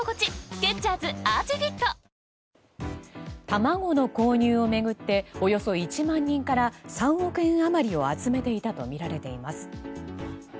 卵の購入を巡っておよそ１万人から３億円余りを集めていたとみられています。